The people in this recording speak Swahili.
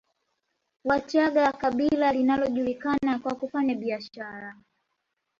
Wachaga kabila linalojulikana kwa kufanya biashara